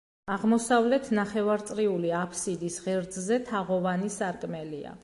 აღმოსავლეთ ნახევარწრიული აფსიდის ღერძზე თაღოვანი სარკმელია.